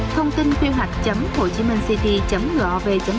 thông tin quy hoạch hochiminhcity gov vn